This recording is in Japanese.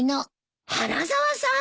花沢さん？